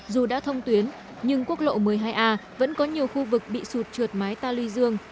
dù đã thông tuyến nhưng quốc lộ một mươi hai a vẫn có nhiều khu vực bị sụt trượt mái ta lưu dương